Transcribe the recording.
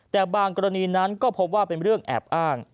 แต่บางกรณีนั้นก็พบว่าเป็นเรื่องแอบอ้าง